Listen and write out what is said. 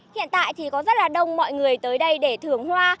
hiện tại thì có rất là đông mọi người tới đây để thưởng hoa